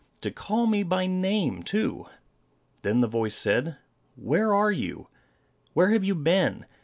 To call me by name, too! Then the voice said, "Where are you? Where have you been?